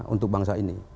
untuk bangsa ini